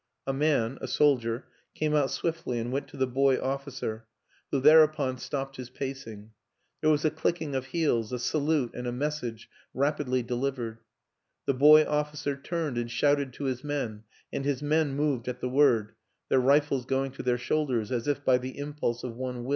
A man a soldier came out swiftly and went to the boy officer, who thereupon stopped his pacing; there was a clicking of heels, a salute and a message rapidly delivered; the boy officer turned and shouted to his men and his men moved at the word, their rifles going to their shoulders, as if by the impulse of one will.